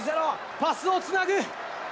パスをつなぐ！